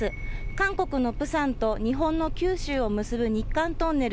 韓国のプサンと日本の九州を結ぶ日韓トンネル。